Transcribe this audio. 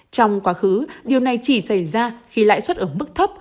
trong quá khứ điều này chỉ xảy ra khi lãi suất ở mức thấp